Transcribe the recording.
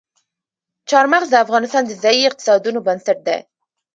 چار مغز د افغانستان د ځایي اقتصادونو بنسټ دی.